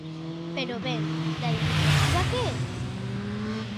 Pero ben, ¿da iniciativa, que?